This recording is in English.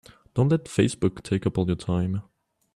Don't let Facebook take up all of your time.